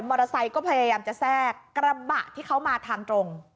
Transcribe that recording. อเตอร์ไซค์ก็พยายามจะแทรกกระบะที่เขามาทางตรง